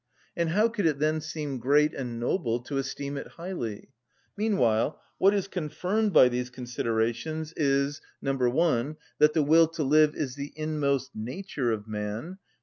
And how could it then seem great and noble to esteem it lightly? Meanwhile, what is confirmed by these considerations is—(1.) that the will to live is the inmost nature of man; (2.)